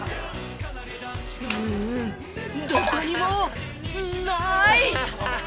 うーんどこにもない！